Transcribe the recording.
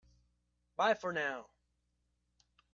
Bye for now!